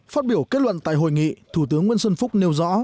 phát biểu kết luận tại hội nghị thủ tướng nguyễn xuân phúc nêu rõ